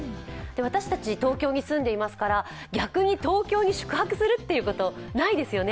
私たち東京に住んでいますから、逆に東京に宿泊するということがないですよね。